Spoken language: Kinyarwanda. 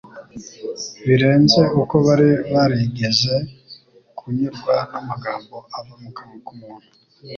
birenze uko bari barigeze kunyurwa n'amagambo ava mu kanwa k'umuntu